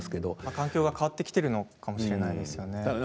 環境が変わってきているのかもしれないですね。